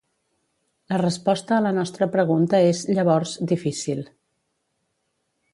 La resposta a la nostra pregunta és, llavors, difícil.